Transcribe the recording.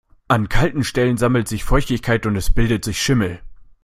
An kalten Stellen sammelt sich Feuchtigkeit und es bildet sich Schimmel.